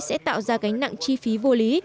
sẽ tạo ra gánh nặng chi phí vô lý